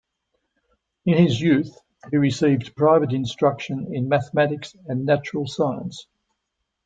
In his youth he received private instruction in mathematics and natural science.